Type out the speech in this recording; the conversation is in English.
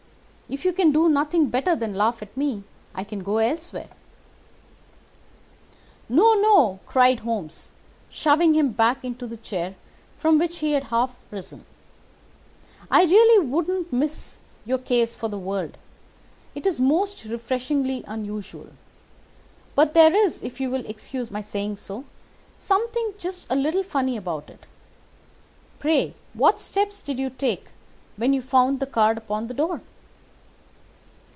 "If you can do nothing better than laugh at me, I can go elsewhere." "No, no," cried Holmes, shoving him back into the chair from which he had half risen. "I really wouldn't miss your case for the world. It is most refreshingly unusual. But there is, if you will excuse my saying so, something just a little funny about it. Pray what steps did you take when you found the card upon the door?"